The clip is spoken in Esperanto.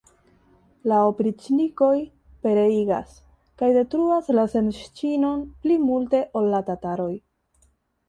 La opriĉnikoj pereigas kaj detruas la zemŝĉinon pli multe ol la tataroj.